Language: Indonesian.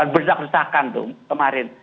berzak berzakan tuh kemarin